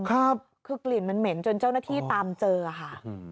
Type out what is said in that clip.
คือกลิ่นมันเหม็นจนเจ้าหน้าที่ตามเจอค่ะอืม